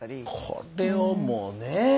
これをもうねえ。